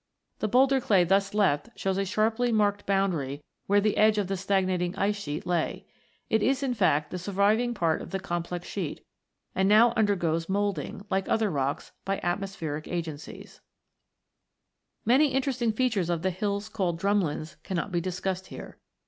The boulder clay thus left shows a sharply marked boundary where the edge of the stagnating ice sheet lay. It is, in fact, the surviving part of the complex sheet, and now undergoes moulding, like other rocks, by atmospheric agencies (Fig. 13). Many interesting features of the hills called drumlins cannot be discussed here.